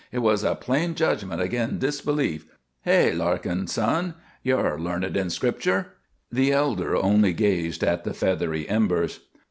Hit was a plain judgment ag'in' disbelief. Hay, Larkin, son? You're l'arned in Scripture." The elder only gazed at the feathery embers.